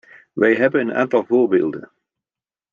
Wij hebben een aantal voorbeelden.